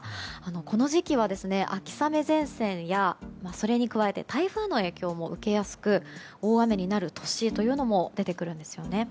この時期は秋雨前線やそれに加えて台風の影響も受けやすくて大雨になる都市というのも出てくるんですよね。